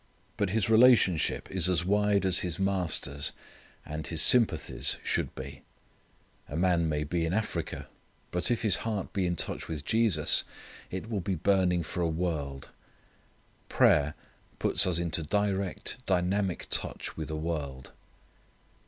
But his relationship is as wide as his Master's and his sympathies should be. A man may be in Africa, but if his heart be in touch with Jesus it will be burning for a world. Prayer puts us into direct dynamic touch with a world.